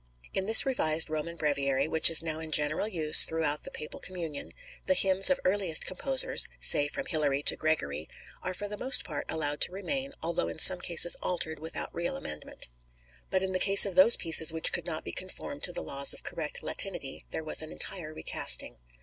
In this revised Roman Breviary, which is now in general use throughout the Papal communion, the hymns of earliest composers—say from Hilary to Gregory—are for the most part allowed to remain, although in some cases altered without real amendment; but in the case of those pieces which could not be conformed to the laws of correct Latinity there was an entire recasting.